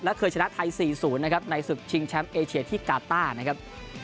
และเคยชนะไทย๔๐นะครับในศึกชิงแชมป์เอเชียที่กาต้านะครับ